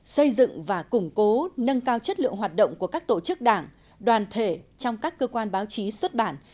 xây dựng và củng cố nâng cao chất lượng hoạt động của các tổ chức đảng đoàn thể trong các cơ quan báo chí xuất bản